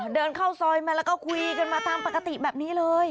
เดินเข้าซอยมาแล้วก็คุยกันมาตามปกติแบบนี้เลย